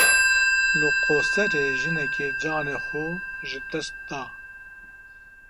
Li Qoserê jinekê canê xwe ji dest da.